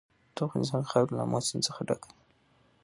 د افغانستان خاوره له آمو سیند څخه ډکه ده.